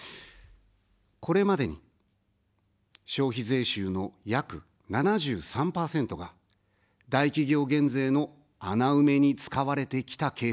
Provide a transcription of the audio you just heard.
これまでに、消費税収の約７３％が大企業減税の穴埋めに使われてきた計算になります。